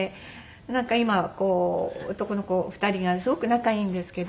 なんか今男の子２人がすごく仲いいんですけど。